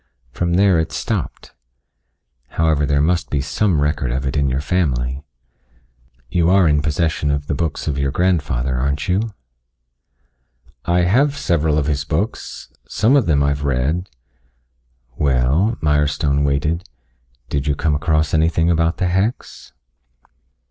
From there it stopped. However, there must be some record of it in your family. You are in possession of the books of your grandfather, aren't you?" "I have several of his books. Some of them I have read." "Well," Mirestone waited. "Did you come across anything about the hex?"